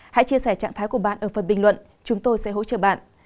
hãy chia sẻ trạng thái của bạn ở phần bình luận chúng tôi sẽ hỗ trợ bạn